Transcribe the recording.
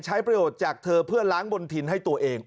ใช้ประโยชน์จากเธอเพื่อล้างบนถิ่นให้ตัวเอง